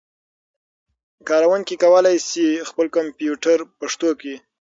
کاروونکي کولای شي خپل کمپيوټر پښتو کړي.